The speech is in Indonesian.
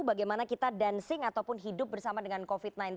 bagaimana kita dancing ataupun hidup bersama dengan covid sembilan belas